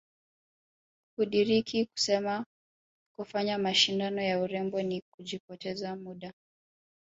Hudiriki kusema kufanya mashindano ya urembo ni kujipoteza muda